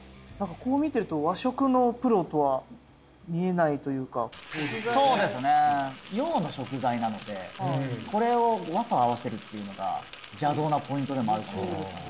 こう見てると和食のプロとは見えないというかそうですね洋の食材なのでこれを和と合わせるというのが邪道なポイントでもあるかもしれないですね